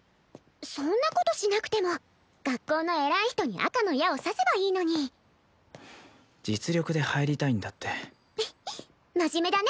そんなことしなくても学校の偉い人に赤の矢を刺せばいいのに実力で入りたいんだって真面目だね